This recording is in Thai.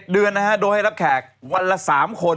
เดือนนะฮะโดยให้รับแขกวันละ๓คน